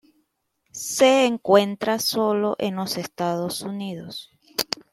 Se encuentra sólo en los Estados Unidos.